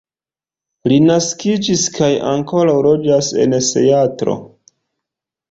Li naskiĝis kaj ankoraŭ loĝas en Seatlo.